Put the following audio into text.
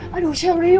masih ini bahasanya